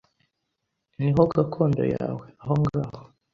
niho gakondo yawe ahongaho